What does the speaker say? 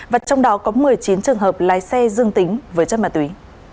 và trong đó có một mươi chín trường hợp lái xe dương tính với chất ma túy